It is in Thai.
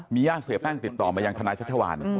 มีย่างเสียแป้งติดต่อมาอย่างคณะชัชวาน